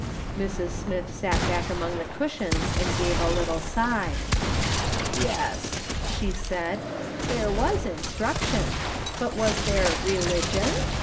Mrs. Smith sat back among the cushions, and gave a little sigh, " Yes," she said, " there was instruction, but was there religion